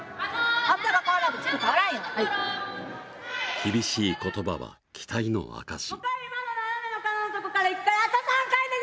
厳しい言葉は期待の証し。